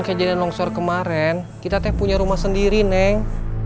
kayaknya jadinya nongshor kemaren kita punya rumah sendiri neng